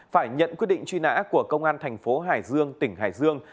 phải nhận quyết định truy nã của công an tp hải dương tỉnh hải dương